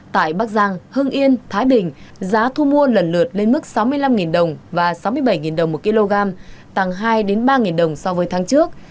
tại bắc giang hưng yên thái bình giá thu mua lần lượt lên mức sáu mươi năm đồng và sáu mươi bảy đồng một kg tăng hai ba đồng so với tháng trước